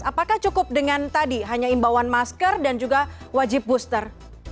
apakah cukup dengan tadi hanya imbauan masker dan juga wajib booster